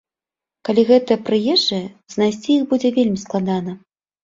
Калі гэта прыезджыя, знайсці іх будзе вельмі складана.